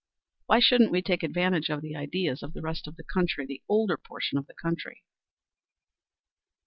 Why shouldn't we take advantage of the ideas of the rest of the country the older portion of the country?"